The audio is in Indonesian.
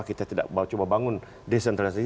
kita tidak coba bangun desentralisasi